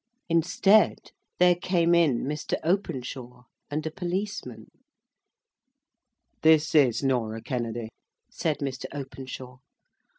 Instead, there came in Mr. Openshaw and a policeman. "This is Norah Kennedy," said Mr. Openshaw.